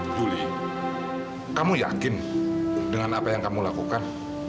juli kamu yakin dengan apa yang kamu lakukan